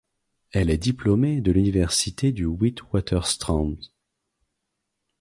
Elle est diplômée de l'université du Witwatersrand.